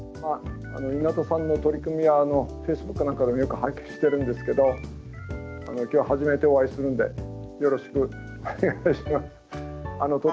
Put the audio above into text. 稲田さんの取り組みはＦａｃｅｂｏｏｋか何かでもよく拝見してるんですけど今日初めてお会いするのでよろしくお願いします。